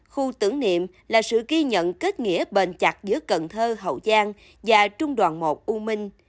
khu tưởng niệm là sự ghi nhận kết nghĩa bền chặt giữa cần thơ hậu giang và trung đoàn một u minh